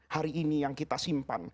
hari ini yang kita simpan